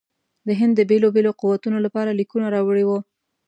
د هند د بېلو بېلو قوتونو لپاره لیکونه راوړي وه.